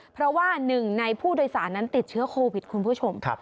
เพราะว่าหนึ่งในผู้โดยสารนั้นติดเชื้อโควิดคุณผู้ชม